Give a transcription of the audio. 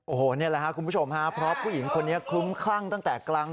โอ้โหนี่แหละครับคุณผู้ชมฮะเพราะผู้หญิงคนนี้คลุ้มคลั่งตั้งแต่กลาง